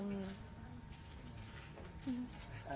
ค่ะ